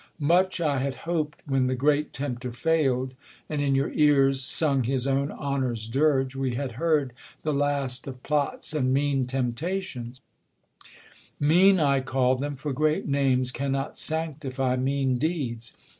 Much 1 had hop'd. When the great tempter fail'd, and in your ears Sung his own honor's dirge, we had heard the last Of plots and mean temptations ; mean I call them, For great names cannot sanctify mean deeds'.